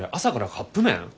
朝からカップ麺？